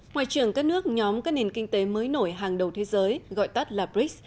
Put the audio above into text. ngoại trưởng các nước nhóm các nền kinh tế mới nổi hàng đầu thế giới gọi tắt là brics